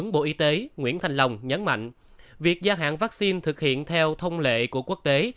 bộ y tế nguyễn thanh long nhấn mạnh việc gia hạn vaccine thực hiện theo thông lệ của quốc tế